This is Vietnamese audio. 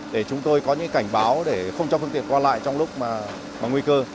để chúng tôi có những cảnh báo để không cho phương tiện qua lại trong lúc mà nguy cơ